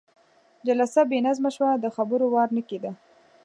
جلسه بې نظمه شوه، د خبرو وار نه کېده.